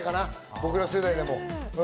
僕ら世代でも。